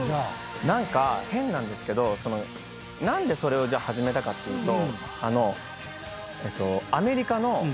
何か変なんですけど何でそれを始めたかっていうと。